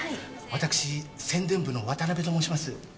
私宣伝部の渡辺と申します。